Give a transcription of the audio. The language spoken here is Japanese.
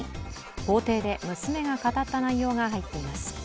法廷で娘が語った内容が入っています。